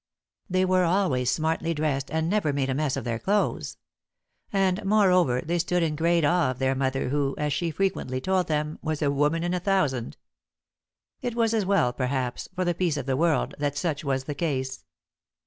They were always smartly dressed and never made a mess of their clothes. And, moreover, they stood in great awe of their mother, who, as she frequently told them, was a woman in a thousand. It was as well, perhaps, for the peace of the world that such was the case.